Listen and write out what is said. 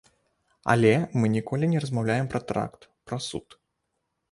Але мы ніколі не размаўляем пра тэракт, пра суд.